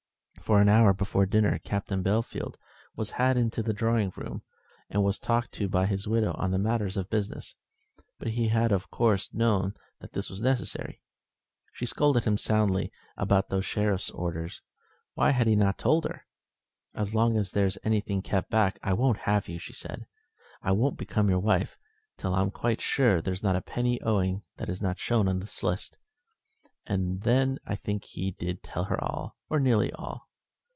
For an hour before dinner Captain Bellfield was had into the drawing room and was talked to by his widow on matters of business; but he had of course known that this was necessary. She scolded him soundly about those sheriff's officers. Why had he not told her? "As long as there's anything kept back, I won't have you," said she. "I won't become your wife till I'm quite sure there's not a penny owing that is not shown in the list." Then I think he did tell her all, or nearly all.